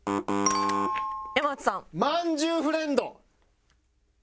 「まんじゅうフレンド」！